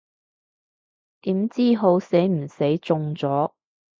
點知好死唔死中咗